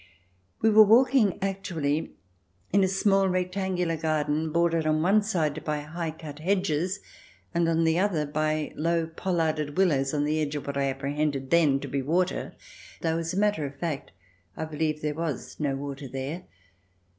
We were walking, actually, in a small rectangular garden, bordered on one side by high cut hedges, and on the other by low pollarded willows on the edge of what I apprehended then to be water, though, as a matter of fact, I believe there was no water there.